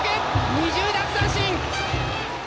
２０奪三振！